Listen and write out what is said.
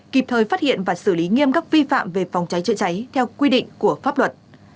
kịp thời phát hiện và xử lý nghiêm các vi phạm về phòng cháy chữa cháy theo quy định của pháp luật